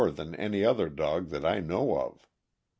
than any other dog that I know of.